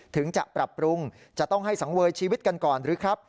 ถึงจะปรับปรุงจะต้องให้สังเวยชีวิตกันก่อนหรือครับ